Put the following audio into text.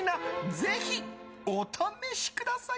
ぜひお試しください。